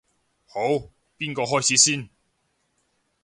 好，邊個開始先？